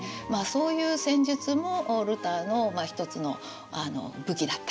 そういう戦術もルターの一つの武器だった。